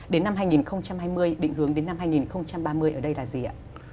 đến năm hai nghìn hai mươi định hướng đến năm hai nghìn ba mươi ở đây là gì ạ